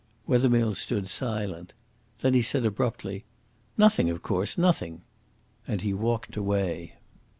Wethermill stood silent. Then he said abruptly: "Nothing, of course; nothing." And he walked away.